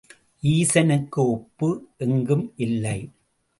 ஈசனுக்கு ஒப்பு எங்கும் இல்லை.